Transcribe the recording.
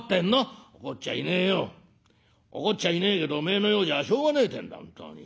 怒っちゃいねえけどおめえのようじゃしょうがねえってんだ本当に。